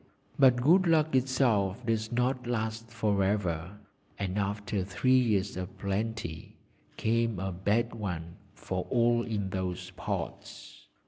But good luck itself does not last for ever, and after three years of plenty came a bad one for all in those parts.